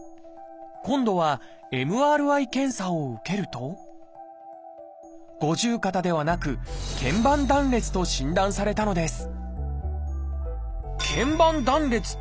今度はＭＲＩ検査を受けると五十肩ではなく「腱板断裂」と診断されたのです